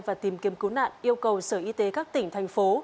và tìm kiếm cứu nạn yêu cầu sở y tế các tỉnh thành phố